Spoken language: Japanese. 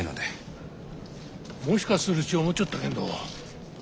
もしかするち思っちょったけんど